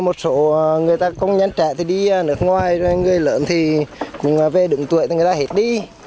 một số người ta công nhân trẻ thì đi nước ngoài rồi người lớn thì cũng về đứng tuổi thì người ta hết đi